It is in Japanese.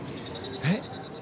えっ？